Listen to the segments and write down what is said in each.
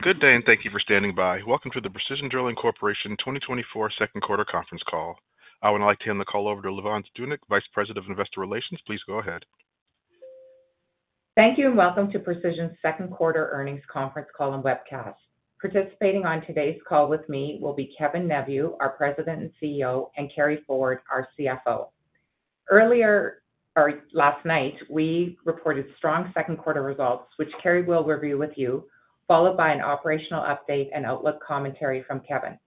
Good day, and thank you for standing by. Welcome to the Precision Drilling Corporation 2024 2nd Quarter Conference Call. I would like to hand the call over to Lavonne Zdunich, Vice President of Investor Relations. Please go ahead. Thank you, and welcome to Precision's 2nd Quarter Earnings Conference Call and Webcast. Participating on today's call with me will be Kevin Neveu, our President and CEO, and Carey Ford, our CFO. Earlier last night, we reported strong second quarter results, which Carey will review with you, followed by an operational update and outlook commentary from Kevin.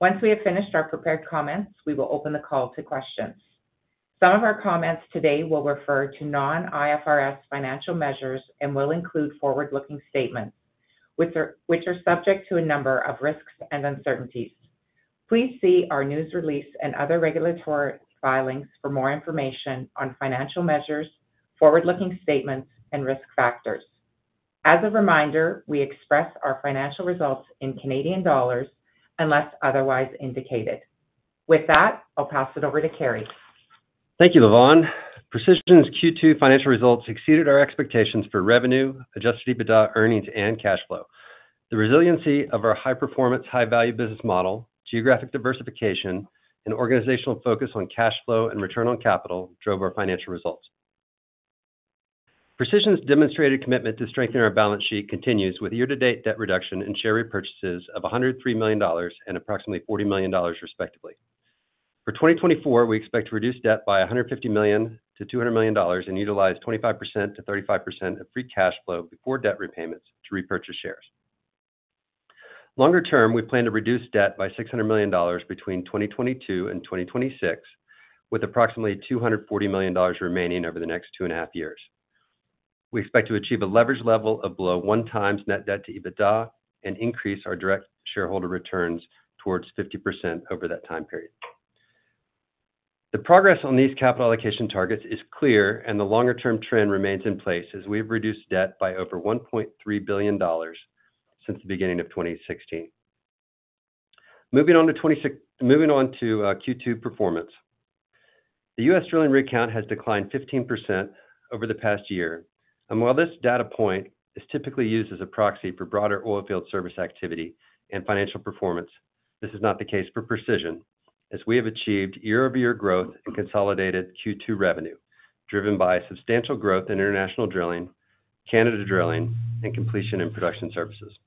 Once we have finished our prepared comments, we will open the call to questions. Some of our comments today will refer to non-IFRS financial measures and will include forward-looking statements, which are subject to a number of risks and uncertainties. Please see our news release and other regulatory filings for more information on financial measures, forward-looking statements, and risk factors. As a reminder, we express our financial results in Canadian dollars unless otherwise indicated. With that, I'll pass it over to Carey. Thank you, Lavonne. Precision's Q2 financial results exceeded our expectations for revenue, adjusted EBITDA earnings, and cash flow. The resiliency of our high-performance, high-value business model, geographic diversification, and organizational focus on cash flow and return on capital drove our financial results. Precision's demonstrated commitment to strengthening our balance sheet continues with year-to-date debt reduction and share repurchases of 103 million dollars and approximately 40 million dollars, respectively. For 2024, we expect to reduce debt by 150 million-200 million dollars and utilize 25%-35% of free cash flow before debt repayments to repurchase shares. Longer term, we plan to reduce debt by 600 million dollars between 2022 and 2026, with approximately 240 million dollars remaining over the next two and a half years. We expect to achieve a leveraged level of below one times net debt to EBITDA and increase our direct shareholder returns towards 50% over that time period. The progress on these capital allocation targets is clear, and the longer-term trend remains in place as we have reduced debt by over 1.3 billion dollars since the beginning of 2016. Moving on to Q2 performance, the U.S. drilling rig count has declined 15% over the past year. While this data point is typically used as a proxy for broader oil field service activity and financial performance, this is not the case for Precision, as we have achieved year-over-year growth and consolidated Q2 revenue driven by substantial growth in international drilling, Canada drilling, and completion and production services.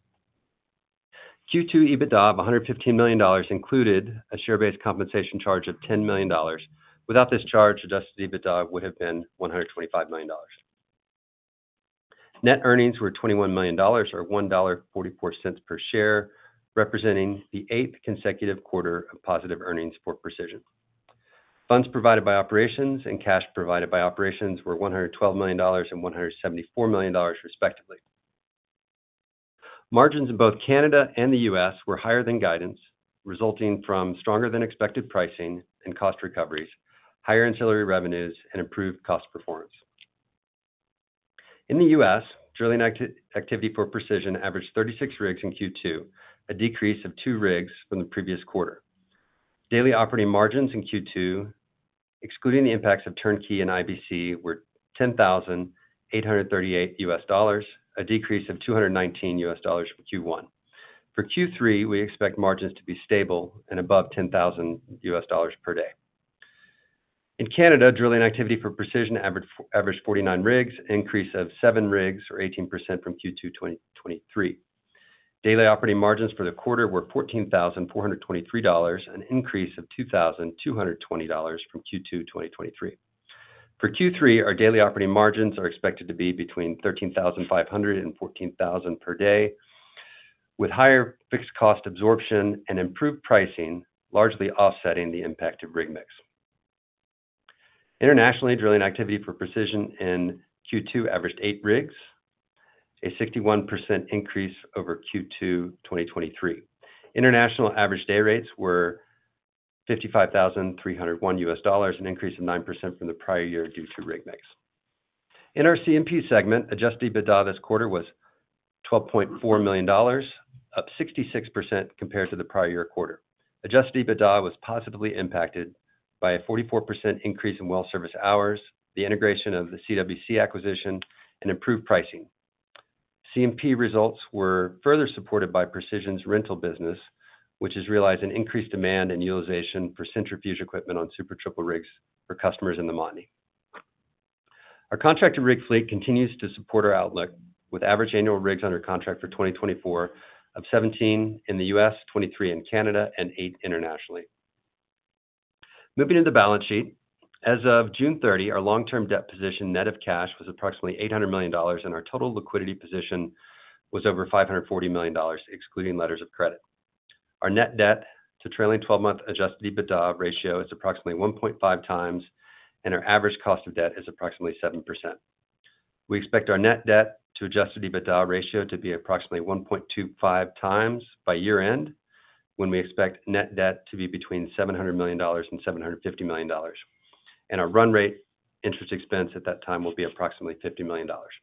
Q2 EBITDA of 115 million dollars included a share-based compensation charge of 10 million dollars. Without this charge, adjusted EBITDA would have been 125 million dollars. Net earnings were 21 million dollars, or 1.44 dollar per share, representing the eighth consecutive quarter of positive earnings for Precision. Funds provided by operations and cash provided by operations were $112 million and $174 million, respectively. Margins in both Canada and the U.S. were higher than guidance, resulting from stronger-than-expected pricing and cost recoveries, higher ancillary revenues, and improved cost performance. In the U.S., drilling activity for Precision averaged 36 rigs in Q2, a decrease of two rigs from the previous quarter. Daily operating margins in Q2, excluding the impacts of turnkey and IBC, were $10,838, a decrease of $219 for Q1. For Q3, we expect margins to be stable and above $10,000 per day. In Canada, drilling activity for Precision averaged 49 rigs, an increase of seven rigs, or 18% from Q2 2023. Daily operating margins for the quarter were $14,423, an increase of $2,220 from Q2 2023. For Q3, our daily operating margins are expected to be between 13,500 and 14,000 per day, with higher fixed cost absorption and improved pricing largely offsetting the impact of rig mix. Internationally, drilling activity for Precision in Q2 averaged eight rigs, a 61% increase over Q2 2023. International average day rates were CAD 55,301, an increase of 9% from the prior year due to rig mix. In our C&P segment, Adjusted EBITDA this quarter was 12.4 million dollars, up 66% compared to the prior year quarter. Adjusted EBITDA was positively impacted by a 44% increase in well service hours, the integration of the CWC acquisition, and improved pricing. C&P results were further supported by Precision's rental business, which has realized an increased demand and utilization for centrifuge equipment on Super Triple rigs for customers in the Montney. Our contracted rig fleet continues to support our outlook, with average annual rigs under contract for 2024 of 17 in the U.S., 23 in Canada, and 8 internationally. Moving to the balance sheet, as of June 30, our long-term debt position net of cash was approximately 800 million dollars, and our total liquidity position was over 540 million dollars, excluding letters of credit. Our net debt to trailing 12-month Adjusted EBITDA ratio is approximately 1.5 times, and our average cost of debt is approximately 7%. We expect our net debt to Adjusted EBITDA ratio to be approximately 1.25 times by year-end, when we expect net debt to be between 700 million-750 million dollars. Our run rate interest expense at that time will be approximately 50 million dollars.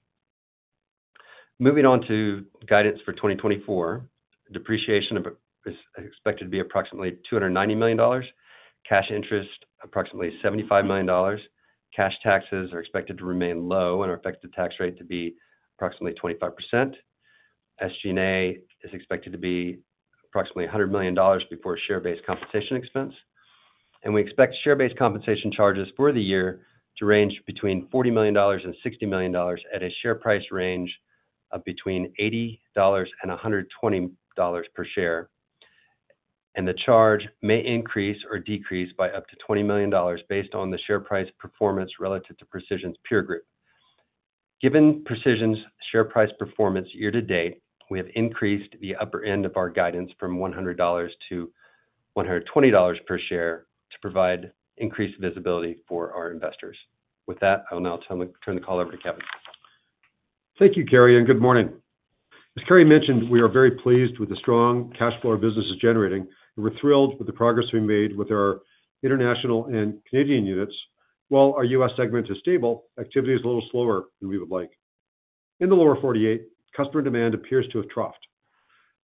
Moving on to guidance for 2024, depreciation is expected to be approximately 290 million dollars, cash interest approximately 75 million dollars. Cash taxes are expected to remain low, and the tax rate is expected to be approximately 25%. SG&A is expected to be approximately $100 million before share-based compensation expense. We expect share-based compensation charges for the year to range between $40-$60 million at a share price range of between $80-$120 per share. The charge may increase or decrease by up to $20 million based on the share price performance relative to Precision's peer group. Given Precision's share price performance year-to-date, we have increased the upper end of our guidance from $100-$120 per share to provide increased visibility for our investors. With that, I will now turn the call over to Kevin. Thank you, Carey, and good morning. As Carey mentioned, we are very pleased with the strong cash flow our business is generating, and we're thrilled with the progress we made with our international and Canadian units. While our U.S. segment is stable, activity is a little slower than we would like. In the lower 48, customer demand appears to have troughed.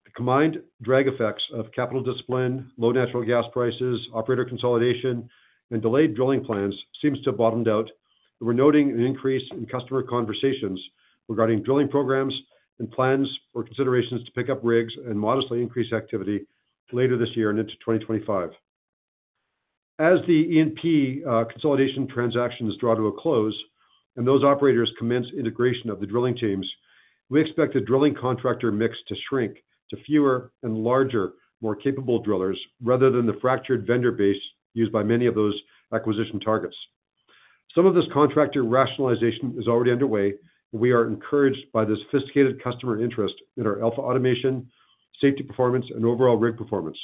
The combined drag effects of capital discipline, low natural gas prices, operator consolidation, and delayed drilling plans seem to have bottomed out. We're noting an increase in customer conversations regarding drilling programs and plans or considerations to pick up rigs and modestly increase activity later this year and into 2025. As the E&P consolidation transactions draw to a close and those operators commence integration of the drilling teams, we expect the drilling contractor mix to shrink to fewer and larger, more capable drillers rather than the fractured vendor base used by many of those acquisition targets. Some of this contractor rationalization is already underway, and we are encouraged by the sophisticated customer interest in our Alpha automation, safety performance, and overall rig performance.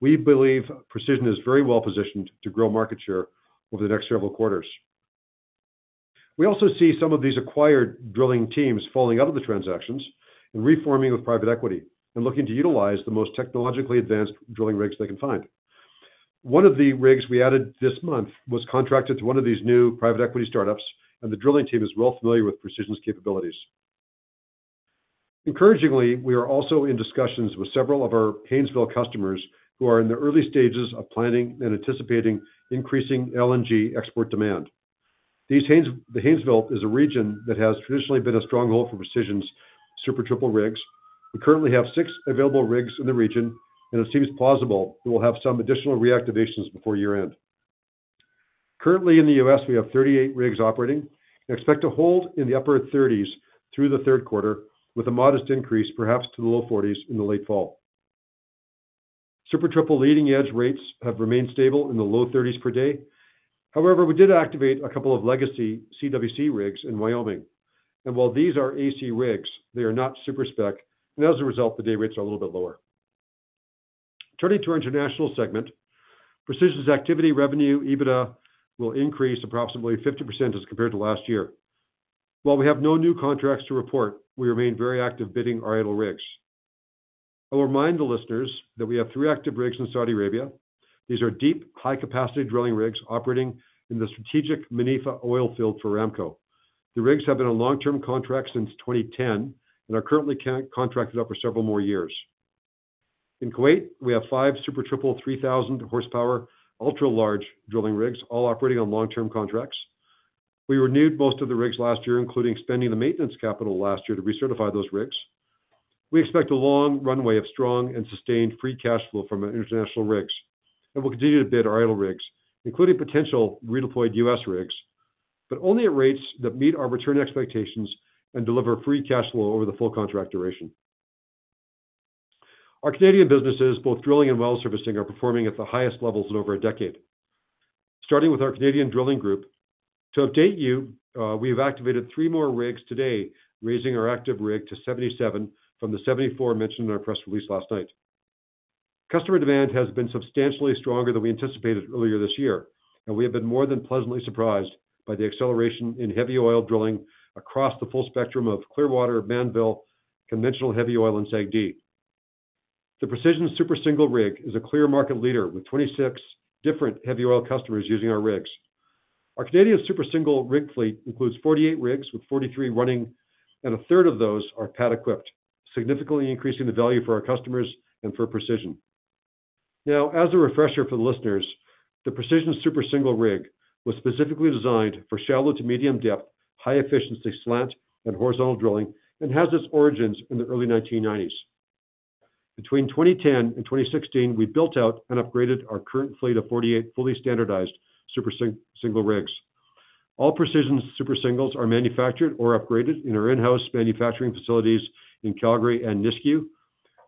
We believe Precision is very well positioned to grow market share over the next several quarters. We also see some of these acquired drilling teams falling out of the transactions and reforming with private equity and looking to utilize the most technologically advanced drilling rigs they can find. One of the rigs we added this month was contracted to one of these new private equity startups, and the drilling team is well familiar with Precision's capabilities. Encouragingly, we are also in discussions with several of our Haynesville customers who are in the early stages of planning and anticipating increasing LNG export demand. The Haynesville is a region that has traditionally been a stronghold for Precision's Super Triple rigs. We currently have 6 available rigs in the region, and it seems plausible that we'll have some additional reactivations before year-end. Currently, in the U.S., we have 38 rigs operating. We expect a hold in the upper 30s through the third quarter, with a modest increase, perhaps to the low 40s in the late fall. Super Triple leading-edge rates have remained stable in the low $30,000s per day. However, we did activate a couple of legacy CWC rigs in Wyoming. And while these are AC rigs, they are not super spec, and as a result, the day rates are a little bit lower. Turning to our international segment, Precision's activity, revenue, EBITDA will increase approximately 50% as compared to last year. While we have no new contracts to report, we remain very active bidding our idle rigs. I will remind the listeners that we have three active rigs in Saudi Arabia. These are deep, high-capacity drilling rigs operating in the strategic Manifa oil field for Aramco. The rigs have been on long-term contracts since 2010 and are currently contracted up for several more years. In Kuwait, we have five Super Triple 3000 horsepower ultra-large drilling rigs, all operating on long-term contracts. We renewed most of the rigs last year, including spending the maintenance capital last year to recertify those rigs. We expect a long runway of strong and sustained free cash flow from our international rigs, and we'll continue to bid our idle rigs, including potential redeployed U.S. rigs, but only at rates that meet our return expectations and deliver free cash flow over the full contract duration. Our Canadian businesses, both drilling and well servicing, are performing at the highest levels in over a decade. Starting with our Canadian drilling group, to update you, we have activated three more rigs today, raising our active rig to 77 from the 74 mentioned in our press release last night. Customer demand has been substantially stronger than we anticipated earlier this year, and we have been more than pleasantly surprised by the acceleration in heavy oil drilling across the full spectrum of Clearwater, Mannville, conventional heavy oil, and SAGD. The Precision Super Single rig is a clear market leader with 26 different heavy oil customers using our rigs. Our Canadian Super Single rig fleet includes 48 rigs with 43 running, and a third of those are pad-equipped, significantly increasing the value for our customers and for Precision. Now, as a refresher for the listeners, the Precision Super Single rig was specifically designed for shallow to medium depth, high-efficiency slant and horizontal drilling and has its origins in the early 1990s. Between 2010 and 2016, we built out and upgraded our current fleet of 48 fully standardized Super Single rigs. All Precision Super Singles are manufactured or upgraded in our in-house manufacturing facilities in Calgary and Nisku.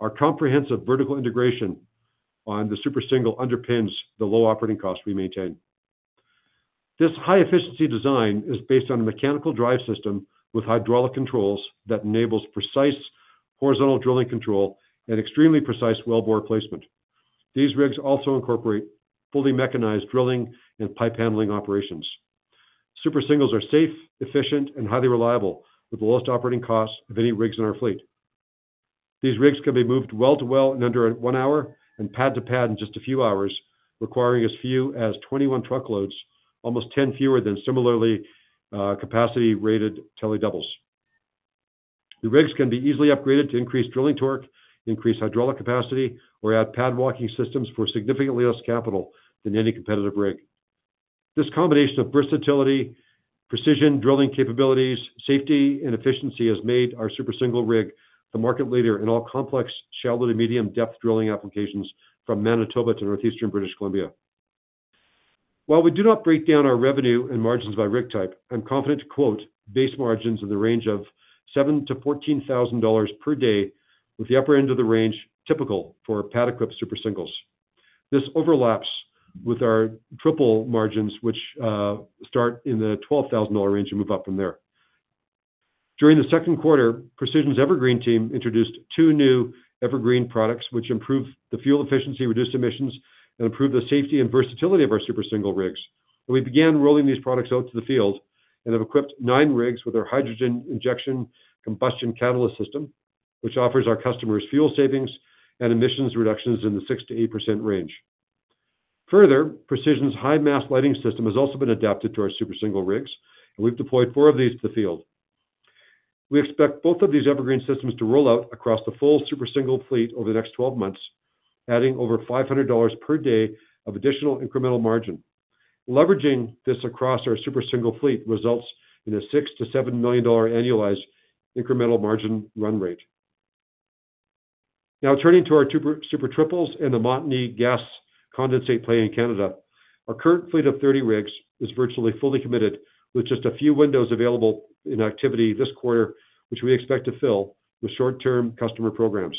Our comprehensive vertical integration on the Super Single underpins the low operating cost we maintain. This high-efficiency design is based on a mechanical drive system with hydraulic controls that enables precise horizontal drilling control and extremely precise well bore placement. These rigs also incorporate fully mechanized drilling and pipe handling operations. Super Singles are safe, efficient, and highly reliable, with the lowest operating cost of any rigs in our fleet. These rigs can be moved well to well in under one hour and pad to pad in just a few hours, requiring as few as 21 truckloads, almost 10 fewer than similarly capacity-rated Telescopic Doubles. The rigs can be easily upgraded to increase drilling torque, increase hydraulic capacity, or add pad walking systems for significantly less capital than any competitive rig. This combination of versatility, precision drilling capabilities, safety, and efficiency has made our Super Single rig the market leader in all complex shallow to medium depth drilling applications from Manitoba to northeastern British Columbia. While we do not break down our revenue and margins by rig type, I'm confident to quote base margins in the range of $7,000-$14,000 per day, with the upper end of the range typical for pad-equipped Super Single. This overlaps with our triple margins, which start in the $12,000 range and move up from there. During the second quarter, Precision's EverGreen team introduced two new EverGreen products, which improved the fuel efficiency, reduced emissions, and improved the safety and versatility of our Super Single rigs. We began rolling these products out to the field and have equipped nine rigs with our Hydrogen Injection Combustion Catalyst System, which offers our customers fuel savings and emissions reductions in the 6%-8% range. Further, Precision's High-Mast Lighting system has also been adapted to our Super Single rigs, and we've deployed four of these to the field. We expect both of these EverGreen systems to roll out across the full Super Single fleet over the next 12 months, adding over $500 per day of additional incremental margin. Leveraging this across our Super Single fleet results in a $6-$7 million annualized incremental margin run rate. Now, turning to our Super Triples and the Montney Gas Condensate Play in Canada, our current fleet of 30 rigs is virtually fully committed, with just a few windows available in activity this quarter, which we expect to fill with short-term customer programs.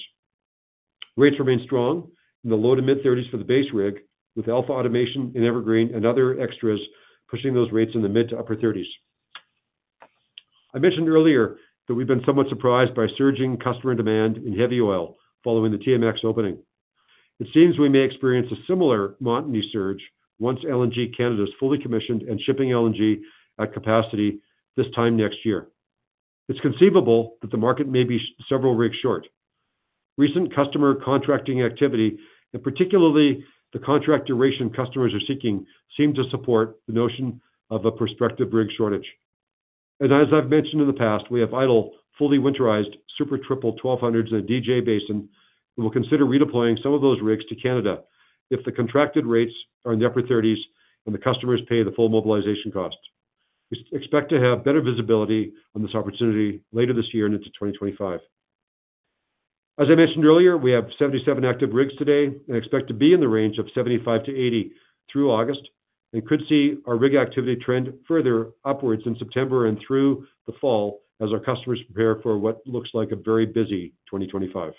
Rates remain strong in the low-to-mid $30s for the base rig, with Alpha automation in EverGreen and other extras pushing those rates in the mid-to-upper $30s. I mentioned earlier that we've been somewhat surprised by surging customer demand in heavy oil following the TMX opening. It seems we may experience a similar Montney surge once LNG Canada is fully commissioned and shipping LNG at capacity this time next year. It's conceivable that the market may be several rigs short. Recent customer contracting activity, and particularly the contract duration customers are seeking, seem to support the notion of a prospective rig shortage. As I've mentioned in the past, we have idle fully winterized Super Triple 1200s in a DJ Basin. We will consider redeploying some of those rigs to Canada if the contracted rates are in the upper 30s and the customers pay the full mobilization cost. We expect to have better visibility on this opportunity later this year and into 2025. As I mentioned earlier, we have 77 active rigs today and expect to be in the range of 75-80 through August and could see our rig activity trend further upwards in September and through the fall as our customers prepare for what looks like a very busy 2025.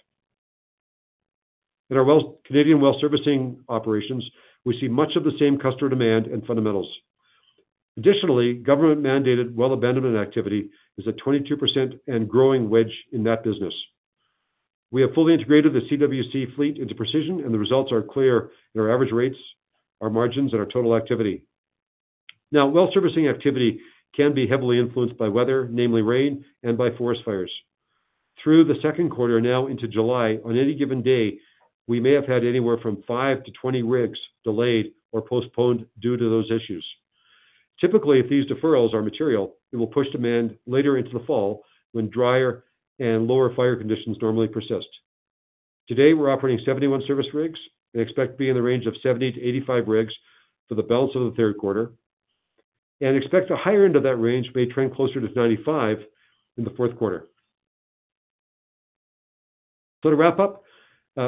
In our Canadian well servicing operations, we see much of the same customer demand and fundamentals. Additionally, government-mandated well abandonment activity is at 22% and growing wedge in that business. We have fully integrated the CWC fleet into Precision, and the results are clear in our average rates, our margins, and our total activity. Now, well servicing activity can be heavily influenced by weather, namely rain, and by forest fires. Through the second quarter now into July, on any given day, we may have had anywhere from 5-20 rigs delayed or postponed due to those issues. Typically, if these deferrals are material, it will push demand later into the fall when drier and lower fire conditions normally persist. Today, we're operating 71 service rigs and expect to be in the range of 70-85 rigs for the balance of the third quarter, and expect the higher end of that range may trend closer to 95 in the fourth quarter. So to wrap up,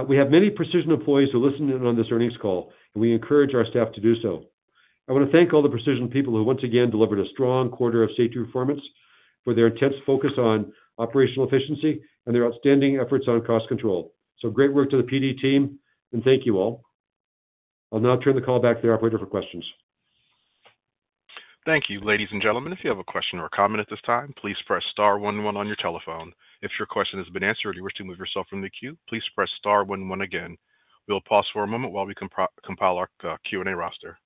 we have many Precision employees who are listening on this earnings call, and we encourage our staff to do so. I want to thank all the Precision people who once again delivered a strong quarter of safety performance for their intense focus on operational efficiency and their outstanding efforts on cost control. So great work to the PD team, and thank you all. I'll now turn the call back to the operator for questions. Thank you, ladies and gentlemen. If you have a question or a comment at this time, please press star 11 on your telephone. If your question has been answered or you wish to move yourself from the queue, please press star 11 again. We'll pause for a moment while we compile our Q&A roster.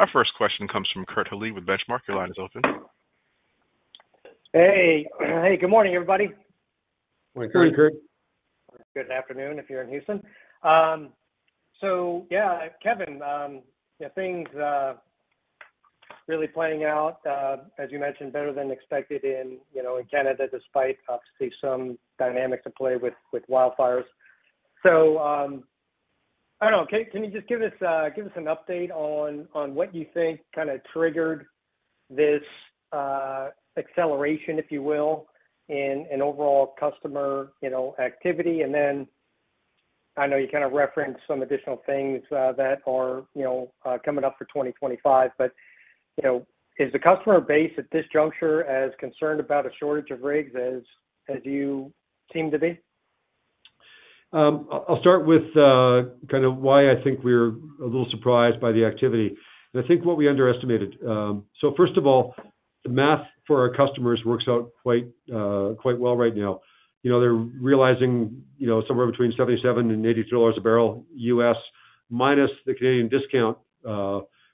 Our first question comes from Kurt Hallead with Benchmark. Your line is open. Hey. Hey. Good morning, everybody. Morning, Kurt. Good afternoon, if you're in Houston. So yeah, Kevin, things really playing out, as you mentioned, better than expected in Canada despite obviously some dynamics at play with wildfires. So I don't know. Can you just give us an update on what you think kind of triggered this acceleration, if you will, in overall customer activity? And then I know you kind of referenced some additional things that are coming up for 2025, but is the customer base at this juncture as concerned about a shortage of rigs as you seem to be? I'll start with kind of why I think we're a little surprised by the activity. I think what we underestimated. First of all, the math for our customers works out quite well right now. They're realizing somewhere between $77-$82 a barrel U.S. minus the Canadian discount,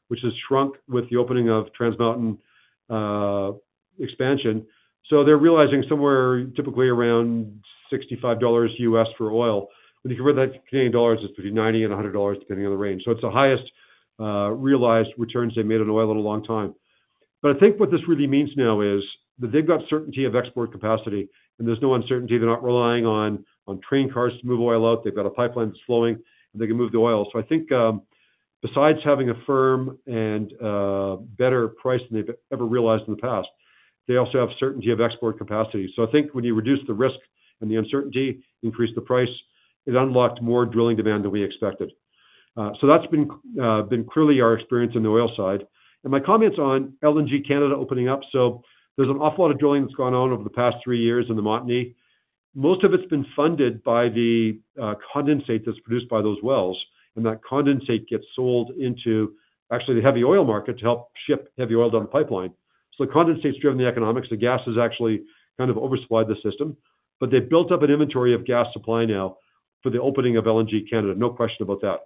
which has shrunk with the opening of Trans Mountain expansion. They're realizing somewhere typically around $65 U.S. for oil. When you convert that to Canadian dollars, it's between 90-100 dollars depending on the range. It's the highest realized returns they've made on oil in a long time. But I think what this really means now is that they've got certainty of export capacity, and there's no uncertainty. They're not relying on train cars to move oil out. They've got a pipeline that's flowing, and they can move the oil. So I think besides having a firm and better price than they've ever realized in the past, they also have certainty of export capacity. So I think when you reduce the risk and the uncertainty, increase the price, it unlocked more drilling demand than we expected. So that's been clearly our experience on the oil side. And my comments on LNG Canada opening up, so there's an awful lot of drilling that's gone on over the past three years in the Montney. Most of it's been funded by the condensate that's produced by those wells, and that condensate gets sold into actually the heavy oil market to help ship heavy oil down the pipeline. So the condensate's driven the economics. The gas has actually kind of oversupplied the system, but they've built up an inventory of gas supply now for the opening of LNG Canada, no question about that.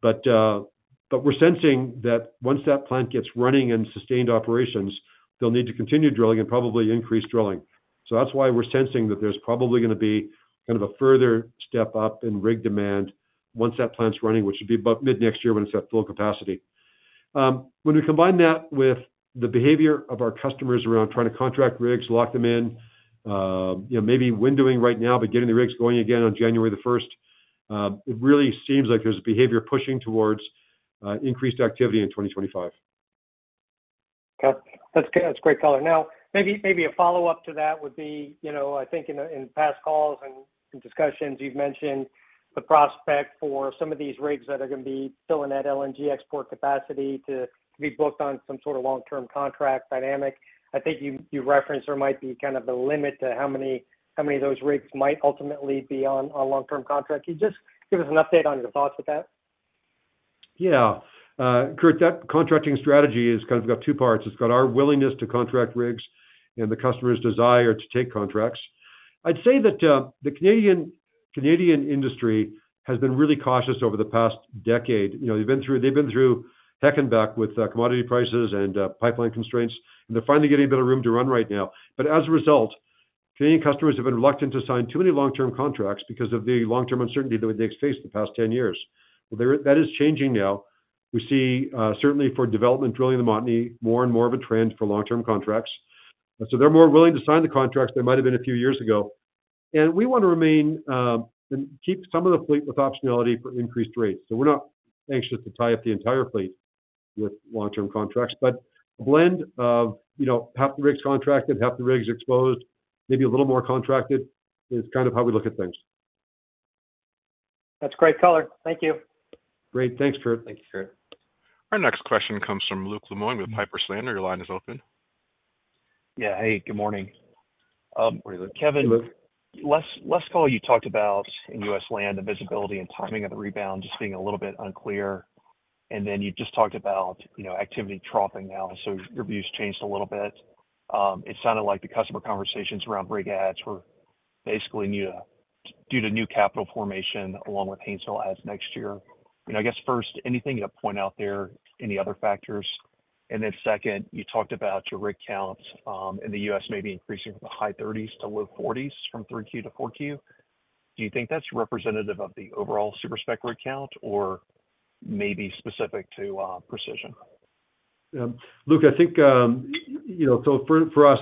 But we're sensing that once that plant gets running and sustained operations, they'll need to continue drilling and probably increase drilling. So that's why we're sensing that there's probably going to be kind of a further step up in rig demand once that plant's running, which would be about mid next year when it's at full capacity. When we combine that with the behavior of our customers around trying to contract rigs, lock them in, maybe windowing right now, but getting the rigs going again on January the 1st, it really seems like there's a behavior pushing towards increased activity in 2025. Okay. That's great color. Now, maybe a follow-up to that would be, I think in past calls and discussions, you've mentioned the prospect for some of these rigs that are going to be filling that LNG export capacity to be booked on some sort of long-term contract dynamic. I think you referenced there might be kind of a limit to how many of those rigs might ultimately be on long-term contract. Can you just give us an update on your thoughts with that? Yeah. Kurt, that contracting strategy has kind of got two parts. It's got our willingness to contract rigs and the customer's desire to take contracts. I'd say that the Canadian industry has been really cautious over the past decade. They've been through hell and back with commodity prices and pipeline constraints, and they're finally getting a bit of room to run right now. But as a result, Canadian customers have been reluctant to sign too many long-term contracts because of the long-term uncertainty that they've faced the past 10 years. That is changing now. We see certainly for development drilling in the Montney, more and more of a trend for long-term contracts. So they're more willing to sign the contracts than they might have been a few years ago. And we want to remain and keep some of the fleet with optionality for increased rates. We're not anxious to tie up the entire fleet with long-term contracts, but a blend of half the rigs contracted, half the rigs exposed, maybe a little more contracted is kind of how we look at things. That's great color. Thank you. Great. Thanks, Kurt. Thank you, Kurt. Our next question comes from Luke Lemoine with Piper Sandler. Your line is open. Yeah. Hey. Good morning. Kevin, last call you talked about in U.S. land, the visibility and timing of the rebound just being a little bit unclear. And then you just talked about activity dropping now, so your views changed a little bit. It sounded like the customer conversations around rig adds were basically due to new capital formation along with painful adds next year. I guess first, anything to point out there? Any other factors? And then second, you talked about your rig counts in the U.S. maybe increasing from the high 30s to low 40s from 3Q to 4Q. Do you think that's representative of the overall Super Spec count or maybe specific to Precision? Yeah. Look, I think so for us,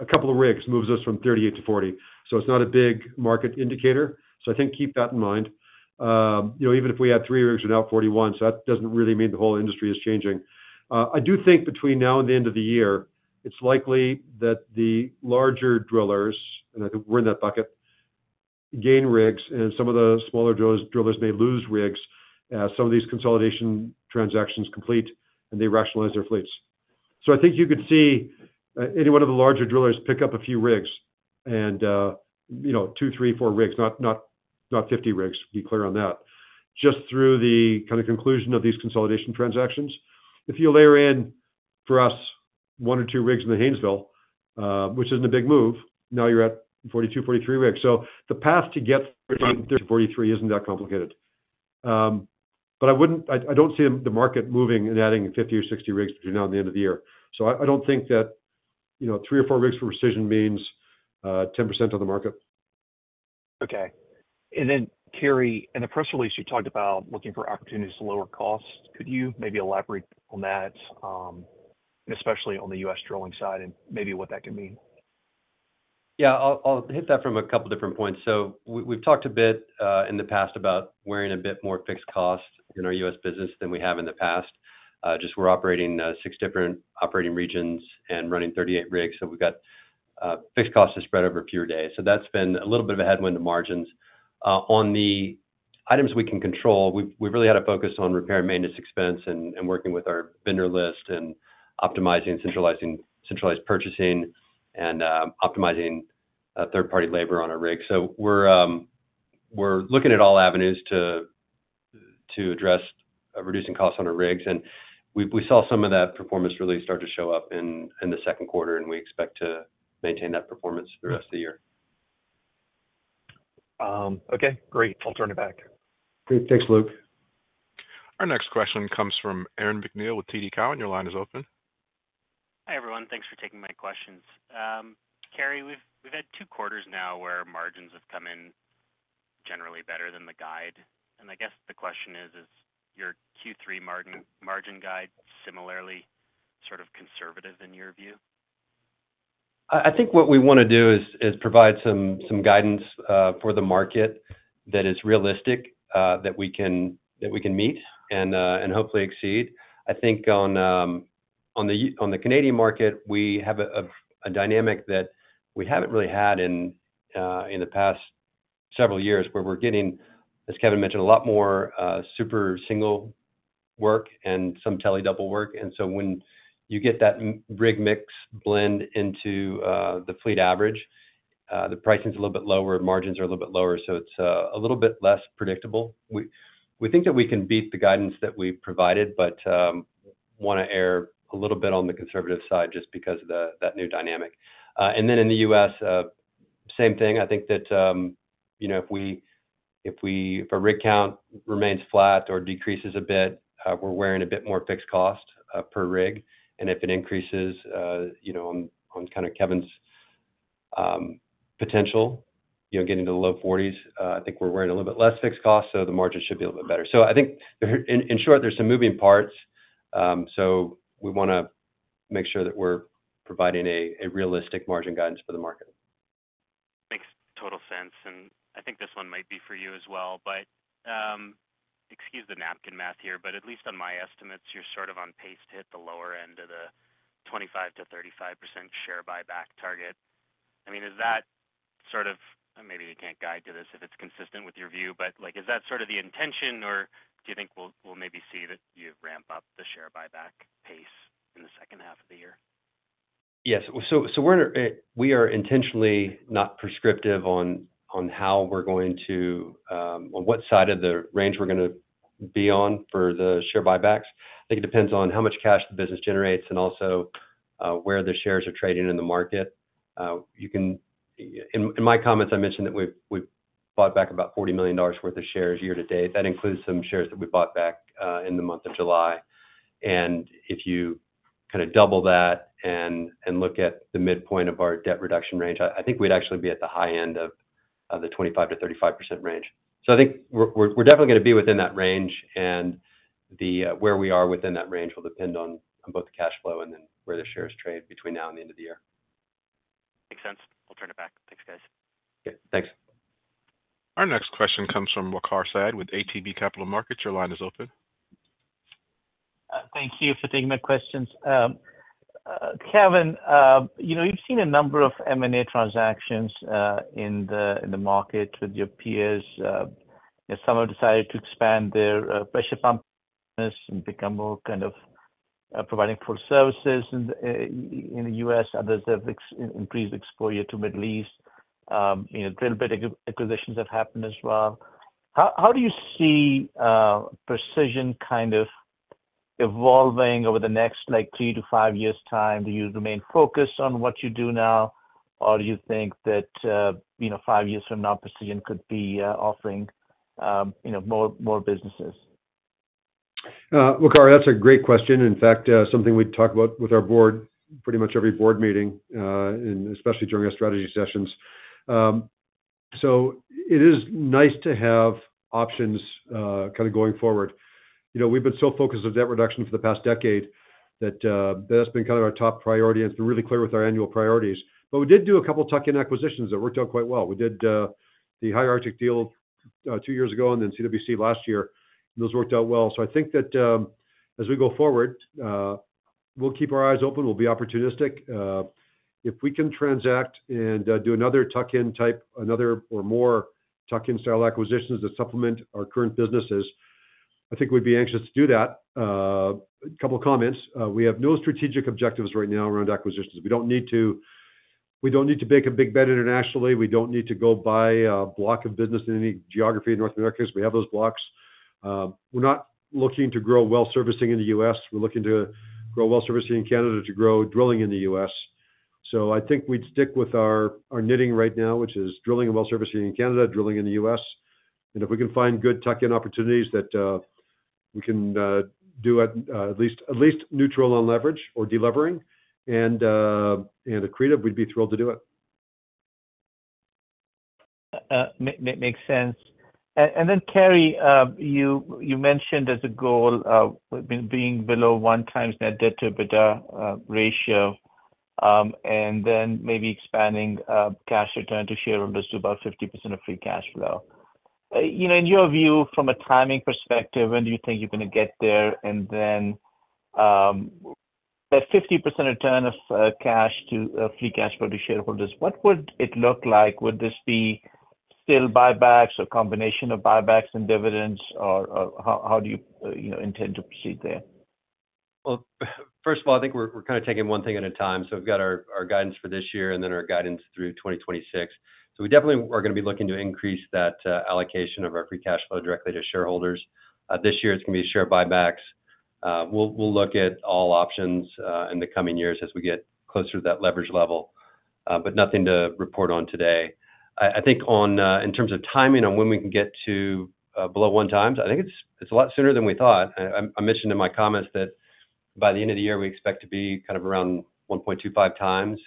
a couple of rigs moves us from 38 to 40. So it's not a big market indicator. So I think keep that in mind. Even if we had 3 rigs are now 41, so that doesn't really mean the whole industry is changing. I do think between now and the end of the year, it's likely that the larger drillers, and I think we're in that bucket, gain rigs, and some of the smaller drillers may lose rigs as some of these consolidation transactions complete and they rationalize their fleets. So I think you could see any one of the larger drillers pick up a few rigs and 2, 3, 4 rigs, not 50 rigs. Be clear on that. Just through the kind of conclusion of these consolidation transactions, if you layer in for us 1 or 2 rigs in the Haynesville, which isn't a big move, now you're at 42, 43 rigs. So the path to get to 43 isn't that complicated. But I don't see the market moving and adding 50 or 60 rigs between now and the end of the year. So I don't think that 3 or 4 rigs for Precision means 10% of the market. Okay. And then Carey, in the press release, you talked about looking for opportunities to lower costs. Could you maybe elaborate on that, especially on the U.S. drilling side and maybe what that can mean? Yeah. I'll hit that from a couple of different points. So we've talked a bit in the past about wearing a bit more fixed cost in our U.S. business than we have in the past. Just we're operating 6 different operating regions and running 38 rigs, so we've got fixed costs to spread over fewer days. So that's been a little bit of a headwind to margins. On the items we can control, we've really had a focus on repair and maintenance expense and working with our vendor list and optimizing centralized purchasing and optimizing third-party labor on our rigs. So we're looking at all avenues to address reducing costs on our rigs. And we saw some of that performance really start to show up in the second quarter, and we expect to maintain that performance for the rest of the year. Okay. Great. I'll turn it back. Great. Thanks, Luke. Our next question comes from Aaron MacNeil with TD Cowen. Your line is open. Hi everyone. Thanks for taking my questions. Carey, we've had two quarters now where margins have come in generally better than the guide. And I guess the question is, is your Q3 margin guide similarly sort of conservative in your view? I think what we want to do is provide some guidance for the market that is realistic that we can meet and hopefully exceed. I think on the Canadian market, we have a dynamic that we haven't really had in the past several years where we're getting, as Kevin mentioned, a lot more Super Single work and some Telescopic Double work. And so when you get that rig mix blend into the fleet average, the pricing's a little bit lower, margins are a little bit lower, so it's a little bit less predictable. We think that we can beat the guidance that we provided, but want to err a little bit on the conservative side just because of that new dynamic. And then in the U.S., same thing. I think that if a rig count remains flat or decreases a bit, we're wearing a bit more fixed cost per rig. If it increases on kind of Kevin's potential, getting to the low 40s, I think we're wearing a little bit less fixed cost, so the margin should be a little bit better. I think in short, there's some moving parts. We want to make sure that we're providing a realistic margin guidance for the market. Makes total sense. And I think this one might be for you as well, but excuse the napkin math here, but at least on my estimates, you're sort of on pace to hit the lower end of the 25%-35% share buyback target. I mean, is that sort of maybe you can't guide to this if it's consistent with your view, but is that sort of the intention, or do you think we'll maybe see that you ramp up the share buyback pace in the second half of the year? Yes. So we are intentionally not prescriptive on how we're going to on what side of the range we're going to be on for the share buybacks. I think it depends on how much cash the business generates and also where the shares are trading in the market. In my comments, I mentioned that we've bought back about $40 million worth of shares year to date. That includes some shares that we bought back in the month of July. And if you kind of double that and look at the midpoint of our debt reduction range, I think we'd actually be at the high end of the 25%-35% range. I think we're definitely going to be within that range, and where we are within that range will depend on both the cash flow and then where the shares trade between now and the end of the year. Makes sense. I'll turn it back. Thanks, guys. Okay. Thanks. Our next question comes from Waqar Syed with ATB Capital Markets. Your line is open. Thank you for taking my questions. Kevin, you've seen a number of M&A transactions in the market with your peers. Some have decided to expand their pressure pump business and become more kind of providing full services in the U.S. Others have increased exposure to the Middle East. A little bit of acquisitions have happened as well. How do you see Precision kind of evolving over the next 3-5 years' time? Do you remain focused on what you do now, or do you think that 5 years from now Precision could be offering more businesses? Luke, that's a great question. In fact, something we talk about with our board pretty much every board meeting, especially during our strategy sessions. So it is nice to have options kind of going forward. We've been so focused on debt reduction for the past decade that that's been kind of our top priority, and it's been really clear with our annual priorities. But we did do a couple of tuck-in acquisitions that worked out quite well. We did the High Arctic deal two years ago and then CWC last year, and those worked out well. So I think that as we go forward, we'll keep our eyes open. We'll be opportunistic. If we can transact and do another tuck-in type, another or more tuck-in style acquisitions that supplement our current businesses, I think we'd be anxious to do that. A couple of comments. We have no strategic objectives right now around acquisitions. We don't need to make a big bet internationally. We don't need to go buy a block of business in any geography in North America because we have those blocks. We're not looking to grow well servicing in the U.S. We're looking to grow well servicing in Canada to grow drilling in the U.S. So I think we'd stick with our knitting right now, which is drilling and well servicing in Canada, drilling in the U.S. And if we can find good tuck-in opportunities that we can do at least neutral on leverage or delevering and accretive, we'd be thrilled to do it. Makes sense. And then, Carey, you mentioned as a goal of being below 1x net debt to EBITDA ratio and then maybe expanding cash return to shareholders to about 50% of free cash flow. In your view, from a timing perspective, when do you think you're going to get there? And then that 50% return of cash to free cash flow to shareholders, what would it look like? Would this be still buybacks or a combination of buybacks and dividends, or how do you intend to proceed there? Well, first of all, I think we're kind of taking one thing at a time. So we've got our guidance for this year and then our guidance through 2026. So we definitely are going to be looking to increase that allocation of our free cash flow directly to shareholders. This year, it's going to be share buybacks. We'll look at all options in the coming years as we get closer to that leverage level, but nothing to report on today. I think in terms of timing on when we can get to below 1x, I think it's a lot sooner than we thought. I mentioned in my comments that by the end of the year, we expect to be kind of around 1.25x.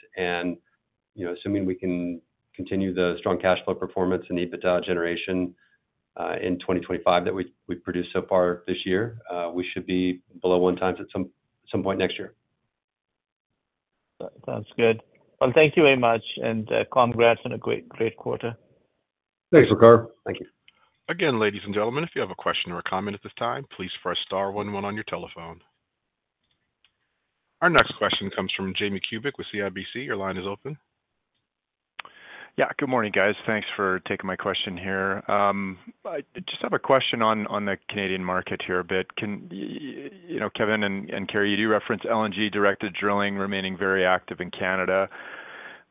Assuming we can continue the strong cash flow performance and EBITDA generation in 2025 that we've produced so far this year, we should be below one times at some point next year. Sounds good. Well, thank you very much, and congrats on a great quarter. Thanks, Waqar. Thank you. Again, ladies and gentlemen, if you have a question or a comment at this time, please press star 11 on your telephone. Our next question comes from Jamie Kubik with CIBC. Your line is open. Yeah. Good morning, guys. Thanks for taking my question here. I just have a question on the Canadian market here a bit. Kevin and Carey, you do reference LNG directed drilling remaining very active in Canada,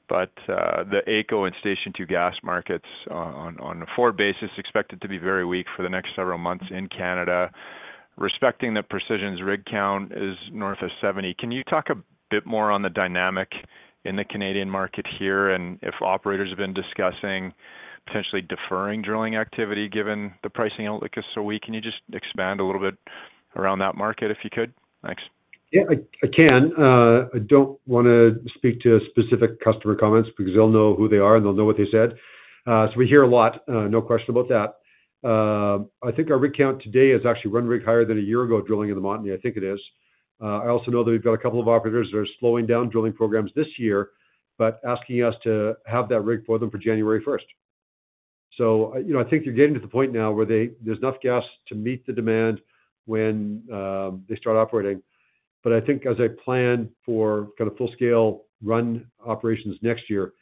but the AECO and Station 2 gas markets on a forward basis are expected to be very weak for the next several months in Canada. Respecting that Precision's rig count is north of 70, can you talk a bit more on the dynamic in the Canadian market here and if operators have been discussing potentially deferring drilling activity given the pricing outlook is so weak? Can you just expand a little bit around that market if you could? Thanks. Yeah, I can. I don't want to speak to specific customer comments because they'll know who they are and they'll know what they said. So we hear a lot. No question about that. I think our rig count today is actually 1 rig higher than a year ago drilling in the Montney. I think it is. I also know that we've got a couple of operators that are slowing down drilling programs this year, but asking us to have that rig for them for January 1st. So I think you're getting to the point now where there's enough gas to meet the demand when they start operating. But I think as a plan for kind of full-scale run operations next year,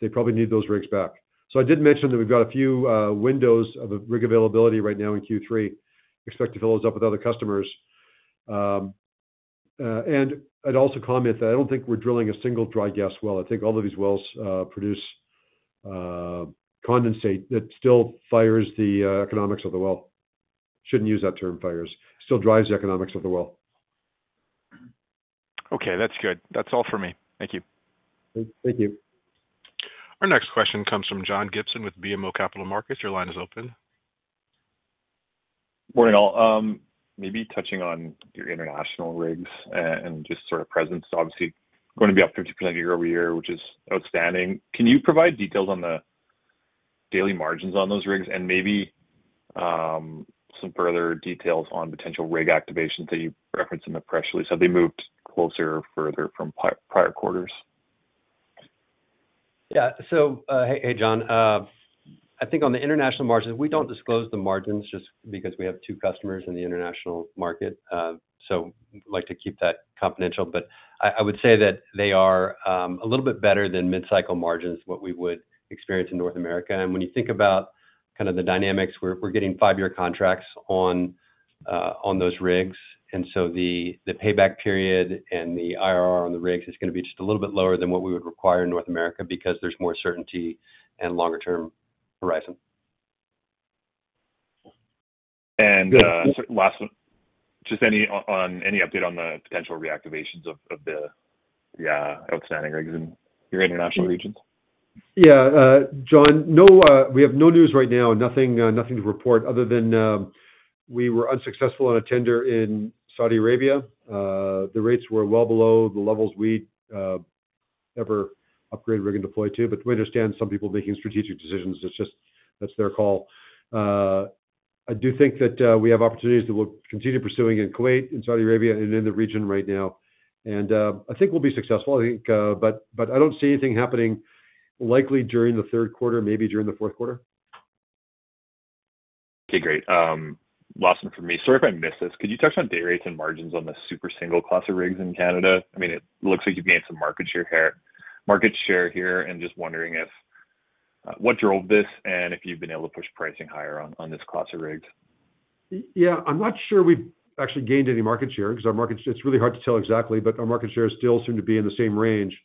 they probably need those rigs back. So I did mention that we've got a few windows of rig availability right now in Q3. Expect to fill those up with other customers. I'd also comment that I don't think we're drilling a single dry gas well. I think all of these wells produce condensate that still fires the economics of the well. Shouldn't use that term fires. Still drives the economics of the well. Okay. That's good. That's all for me. Thank you. Thank you. Our next question comes from John Gibson with BMO Capital Markets. Your line is open. Morning, all. Maybe touching on your international rigs and just sort of presence. Obviously, going to be up 50% year-over-year, which is outstanding. Can you provide details on the daily margins on those rigs and maybe some further details on potential rig activations that you referenced in the press release? Have they moved closer or further from prior quarters? Yeah. So hey, John. I think on the international margins, we don't disclose the margins just because we have two customers in the international market. So we'd like to keep that confidential. But I would say that they are a little bit better than mid-cycle margins, what we would experience in North America. And when you think about kind of the dynamics, we're getting 5-year contracts on those rigs. And so the payback period and the IRR on the rigs is going to be just a little bit lower than what we would require in North America because there's more certainty and longer-term horizon. Last one, just any update on the potential reactivations of the outstanding rigs in your international regions? Yeah. John, we have no news right now. Nothing to report other than we were unsuccessful on a tender in Saudi Arabia. The rates were well below the levels we'd ever upgrade, rig, and deploy to. But we understand some people making strategic decisions. That's their call. I do think that we have opportunities that we'll continue pursuing in Kuwait, in Saudi Arabia, and in the region right now. And I think we'll be successful. But I don't see anything happening likely during the third quarter, maybe during the fourth quarter. Okay. Great. Last one from me. Sorry if I missed this. Could you touch on day rates and margins on the Super Single class of rigs in Canada? I mean, it looks like you've gained some market share here and just wondering what drove this and if you've been able to push pricing higher on this class of rigs? Yeah. I'm not sure we've actually gained any market share because it's really hard to tell exactly, but our market share still seemed to be in the same range.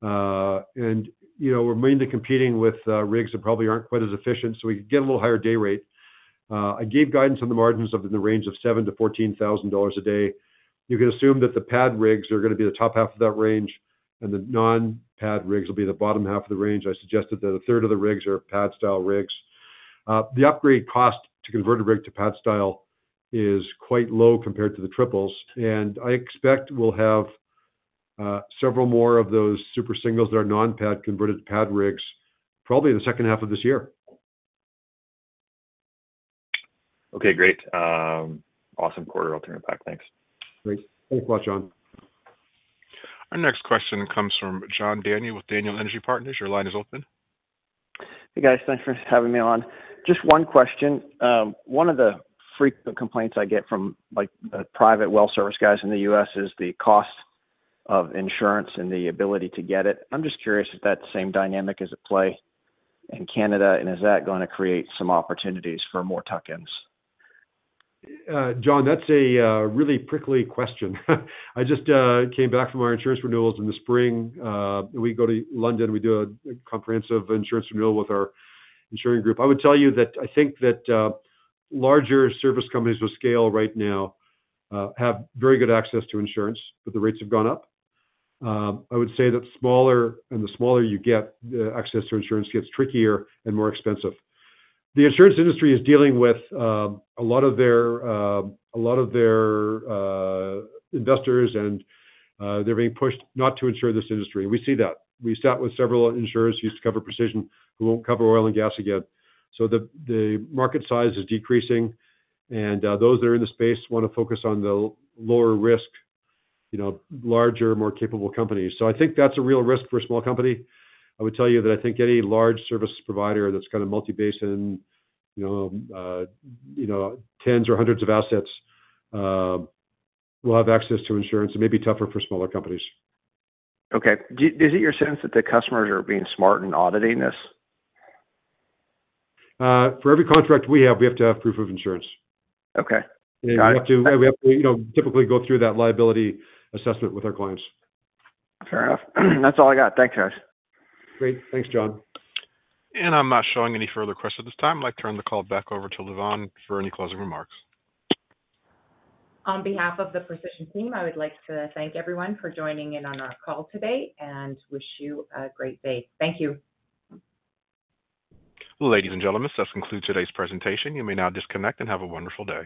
And we're mainly competing with rigs that probably aren't quite as efficient, so we could get a little higher day rate. I gave guidance on the margins of in the range of $7,000-$14,000 a day. You can assume that the pad rigs are going to be the top half of that range, and the non-pad rigs will be the bottom half of the range. I suggested that a third of the rigs are pad-style rigs. The upgrade cost to convert a rig to pad-style is quite low compared to the triples. And I expect we'll have several more of those Super Singles that are non-pad converted to pad rigs probably in the second half of this year. Okay. Great. Awesome quarter alternate pack. Thanks. Great. Thanks a lot, John. Our next question comes from John Daniel with Daniel Energy Partners. Your line is open. Hey, guys. Thanks for having me on. Just one question. One of the frequent complaints I get from the private well service guys in the U.S. is the cost of insurance and the ability to get it. I'm just curious if that same dynamic is at play in Canada, and is that going to create some opportunities for more tuck-ins? John, that's a really prickly question. I just came back from our insurance renewals in the spring. We go to London. We do a comprehensive insurance renewal with our insuring group. I would tell you that I think that larger service companies with scale right now have very good access to insurance, but the rates have gone up. I would say that the smaller you get, the access to insurance gets trickier and more expensive. The insurance industry is dealing with a lot of their investors, and they're being pushed not to insure this industry. We see that. We sat with several insurers who used to cover Precision who won't cover oil and gas again. So the market size is decreasing, and those that are in the space want to focus on the lower risk, larger, more capable companies. So I think that's a real risk for a small company. I would tell you that I think any large service provider that's kind of multi-base and tens or hundreds of assets will have access to insurance. It may be tougher for smaller companies. Okay. Is it your sense that the customers are being smart in auditing this? For every contract we have, we have to have proof of insurance. Okay. Got it. We have to typically go through that liability assessment with our clients. Fair enough. That's all I got. Thanks, guys. Great. Thanks, John. I'm not showing any further questions at this time. I'd like to turn the call back over to Lavonne for any closing remarks. On behalf of the Precision team, I would like to thank everyone for joining in on our call today and wish you a great day. Thank you. Well, ladies and gentlemen, this concludes today's presentation. You may now disconnect and have a wonderful day.